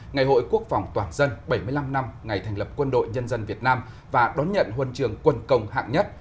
ngày hội quốc phòng toàn dân bảy mươi năm năm ngày thành lập quân đội nhân dân việt nam và đón nhận huân trường quân công hạng nhất